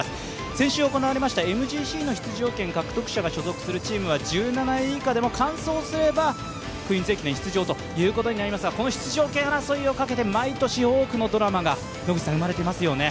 先週行われましたＭＧＣの出場権を所属するチームは１７位以下でも完走すればクイーンズ駅伝出場ということになりますが、この出場権争いをかけて毎年多くのドラマが生まれていますよね？